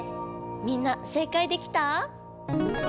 みんな正解できた？